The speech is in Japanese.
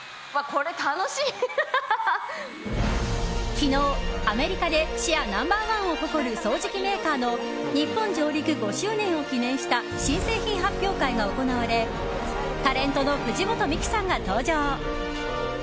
昨日、アメリカでシェアナンバー１を誇る掃除器メーカーの日本上陸５周年を記念した新製品発表会が行われタレントの藤本美貴さんが登場。